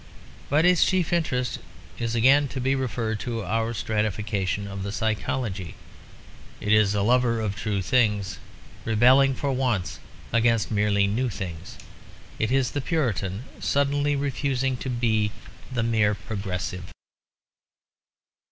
But its chief interest is again to be referred to our stratification of the psychology; it is the lover of true things rebelling for once against merely new things; it is the Puritan suddenly refusing to be the mere Progressive.